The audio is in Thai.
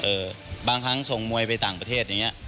บางครั้งส่งมวยไปต่างประเทศอย่างเงี้